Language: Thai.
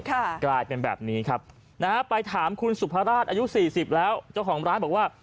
กลายเป็นแบบนี้ครับนะฮะไปถามคุณสุภาราชอายุสี่สิบแล้วเจ้าของร้านบอกว่า